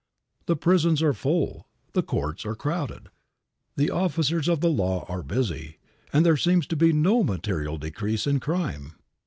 The prisons are full, the courts are crowded, the officers of the law are busy, and there seems to be no material decrease in crime.